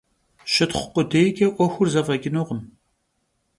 Щытхъу къудейкӀэ Ӏуэхур зэфӀэкӀынукъым.